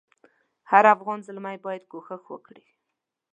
هر افغان زلمی باید کوښښ وکړي.